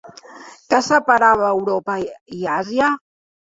Què separava Europa i Àsia?